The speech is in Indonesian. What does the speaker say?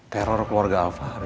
teror keluarga alvari